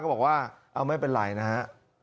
บอกว่าเอาไม่เป็นไรนะฮะ